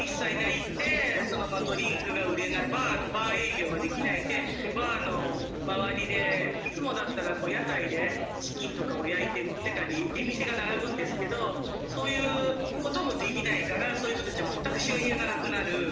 現在は人の集まりを避けバーの周りでいつもだったら屋台でチキンとかを焼いて売ってたり出店が並ぶんですけどそういう事もできないからそういう人たちは全く収入がなくなる。